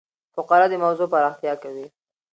فقره د موضوع پراختیا کوي.